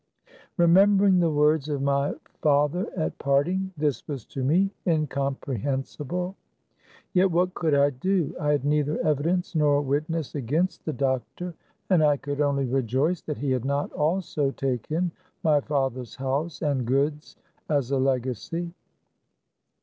Remembering the words of my father at parting, this was to me, incompre A hensible ; yet what could ij I do ? I had neither evi dence nor witness against the doctor, and I could only rejoice that he had not also taken my father's house and goods as a legacy.